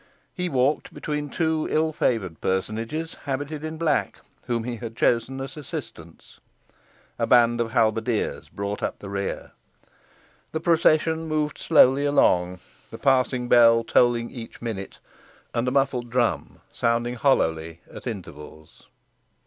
He walked between two ill favoured personages habited in black, whom he had chosen as assistants. A band of halberdiers brought up the rear. The procession moved slowly along, the passing bell tolling each minute, and a muffled drum sounding hollowly at intervals.